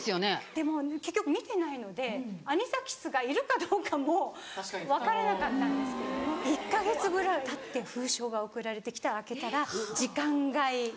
でも結局診てないのでアニサキスがいるかどうかも分からなかったんですけれども１か月ぐらいたって封書が送られてきて開けたら「時間外」。